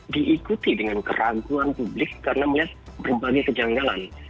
diikuti dengan keraguan publik karena melihat berbagai kejanggalan